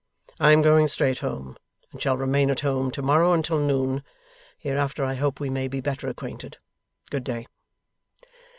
I am going straight home, and shall remain at home to morrow until noon. Hereafter, I hope we may be better acquainted. Good day.